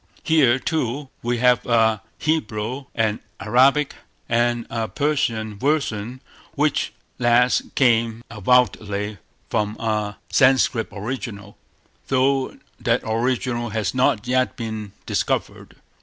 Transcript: Here, too, we have a Hebrew, an Arabic, and a Persian version; which last came avowedly from a Sanscrit original, though that original has not yet been discovered.